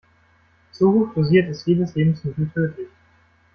Zu hoch dosiert ist jedes Lebensmittel tödlich.